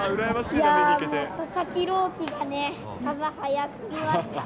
いやー、もう佐々木朗希がね、球、速すぎました。